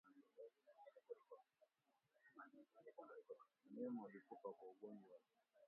Wanyama walikufa kwa ugonjwa huu hukaukiwa maji